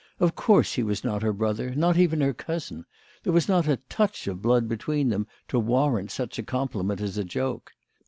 Of course he was not her brother not even her cousin. There was not a touch of blood between them to warrant such a compliment as a joke.